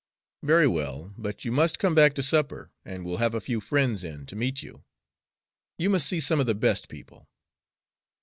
"Very well. But you must come back to supper, and we'll have a few friends in to meet you. You must see some of the best people."